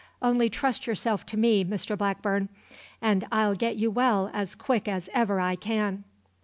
Only trust yourself to me, Mr Blackburn, and I'll get you well as quick as ever I can."